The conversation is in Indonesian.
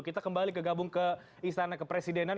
kita kembali ke gabung ke istana kepresidenan